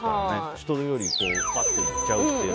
人よりパッといっちゃうという。